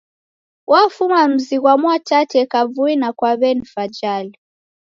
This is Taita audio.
Wafuma mzi ghwa Mwatate kavui na kwa w'eni Fajali.